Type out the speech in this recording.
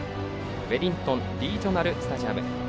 ウェリントンリージョナルスタジアム。